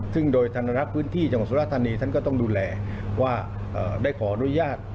ซึ่งโดยธนรักษ์พื้นที่จังหวัดสุรธานีท่านก็ต้องดูแลว่าได้ขออนุญาต